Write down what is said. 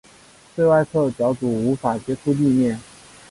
最外侧脚趾无法接触地面。